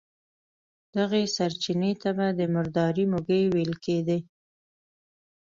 دغې سرچينې ته به د مردارۍ موږی ويل کېدی.